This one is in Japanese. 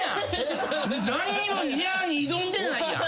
何にも「にゃー」に挑んでないやん。